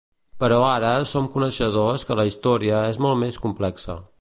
Però ara som coneixedors que la història és molt més complexa.